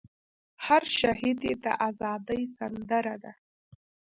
هر شهید ئې د ازادۍ سندره ده